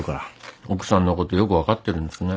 奥さんのことよく分かってるんですね。